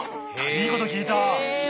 いいこと聞いた。